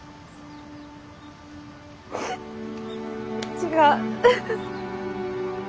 違う。